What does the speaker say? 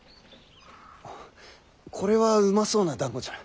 あこれはうまそうなだんごじゃ。